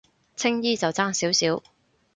青衣就爭少少